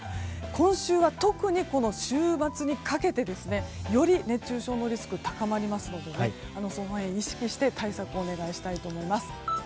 今週は特に週末にかけてより熱中症のリスクが高まりますのでその辺を意識して、対策をお願いしたいと思います。